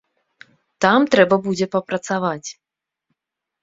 Там трэба будзе папрацаваць.